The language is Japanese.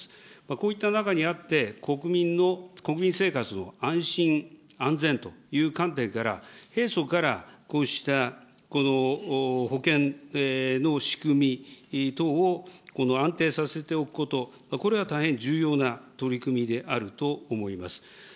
こういった中にあって、国民の、国民生活の安心、安全という観点から、平素からこうしたこの保険の仕組み等をこの安定させておくこと、これは大変重要な取り組みであると思います。